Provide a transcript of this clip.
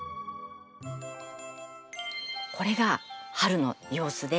これが春の様子で。